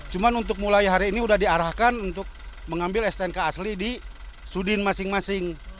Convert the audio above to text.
cuma untuk mulai hari ini sudah diarahkan untuk mengambil stnk asli di sudin masing masing